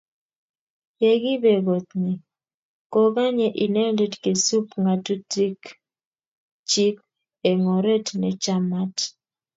Yekibe kot nyi, kokanye Inendet kesub ngatutik chik eng oret nechamat